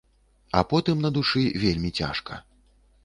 А потым на душы вельмі цяжка.